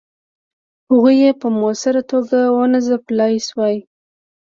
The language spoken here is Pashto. هغوی یې په موثره توګه ونه ځپلای سوای.